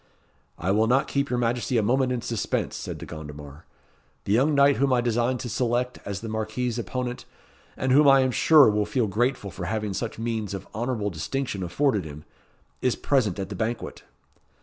"I will not keep your Majesty a moment in suspense," said De Gondomar. "The young knight whom I design to select as the Marquis's opponent, and whom I am sure will feel grateful for having such means of honourable distinction afforded him, is present at the banquet."